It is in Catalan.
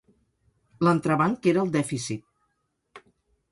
L'entrebanc era el dèficit.